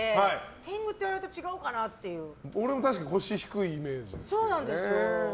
天狗って言われると俺も確か腰が低いイメージですね。